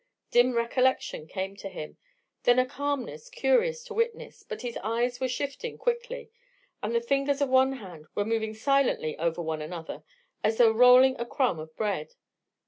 Dim recollection came to him, then a calmness curious to witness; but his eyes were shifting quickly, and the fingers of one hand were moving silently over one another, as though rolling a crumb of bread.